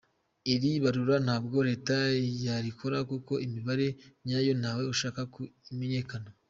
Iri barura ntabwo Leta yarikora kuko imibare nyayo ntawe ushaka ko imenyekana.